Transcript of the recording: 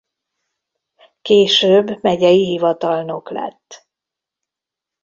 Később megyei hivatalnok lett.